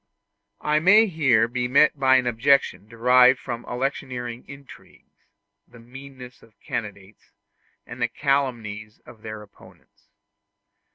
I may here be met by an objection derived from electioneering intrigues, the meannesses of candidates, and the calumnies of their opponents.